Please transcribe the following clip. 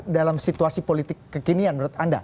dalam situasi politik kekinian menurut anda